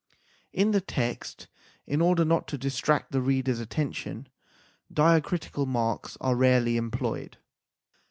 In the text, in order not to distract the reader s attention, diacritical marks are rarely employed.